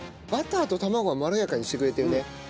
バターと卵がまろやかにしてくれてるね。